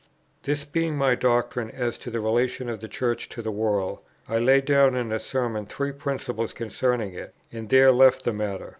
This being my doctrine as to the relation of the Church to the world, I laid down in the Sermon three principles concerning it, and there left the matter.